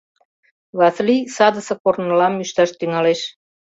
Васлий садысе корнылам ӱшташ тӱҥалеш.